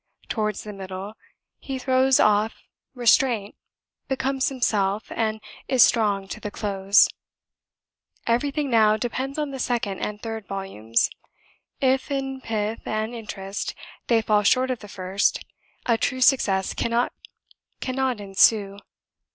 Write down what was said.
Towards the middle, he throws off restraint, becomes himself, and is strong to the close. Everything now depends on the second and third volumes. If, in pith and interest, they fall short of the first, a true success cannot ensue.